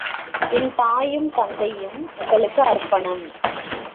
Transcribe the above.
என் தாயும், தந்தையும் உங்களுக்கு அர்ப்பணம்!